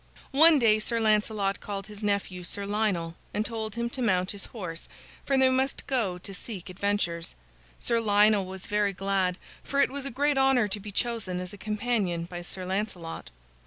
One day Sir Lancelot called his nephew Sir Lionel, and told him to mount his horse, for they must go to seek adventures. Sir Lionel was very glad, for it was a great honor to be chosen as a companion by Sir Lancelot.